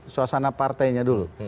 suasana partainya dulu